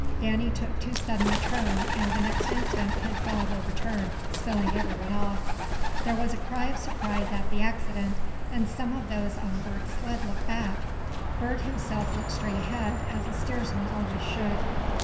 Danny took too sudden a turn, and the next instant his bob overturned, spilling everyone off. There was a cry of surprise at the accident, and some of those on Bert's sled looked back. Bert himself looked straight ahead as a steersman always should.